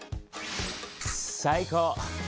最高！